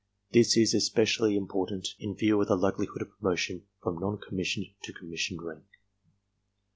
This is especially im portant in view of the likelihood of promotion from non com missioned to commissioned rank.